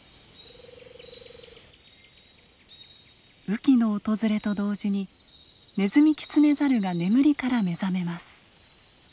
雨季の訪れと同時にネズミキツネザルが眠りから目覚めます。